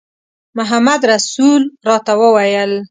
محمدرسول راته وویل.